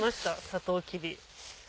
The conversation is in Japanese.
サトウキビ。